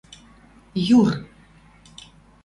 ЮР